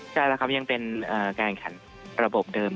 ใช่แล้วครับยังเป็นการแข่งขันระบบเดิม